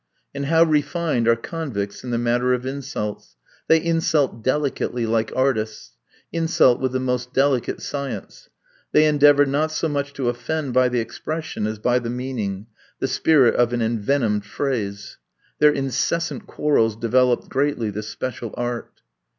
And how refined are convicts in the matter of insults! They insult delicately, like artists; insult with the most delicate science. They endeavour not so much to offend by the expression as by the meaning, the spirit of an envenomed phrase. Their incessant quarrels developed greatly this special art.